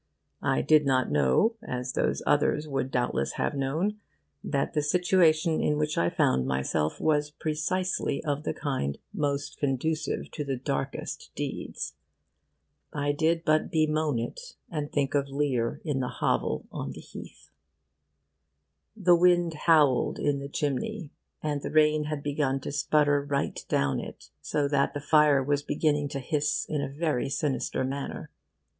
I did not know, as those others would doubtless have known, that the situation in which I found myself was precisely of the kind most conducive to the darkest deeds. I did but bemoan it, and think of Lear in the hovel on the heath. The wind howled in the chimney, and the rain had begun to sputter right down it, so that the fire was beginning to hiss in a very sinister manner.